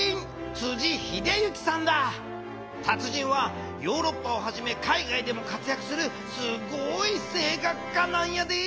達人はヨーロッパをはじめ海外でも活やくするすごい声楽家なんやで！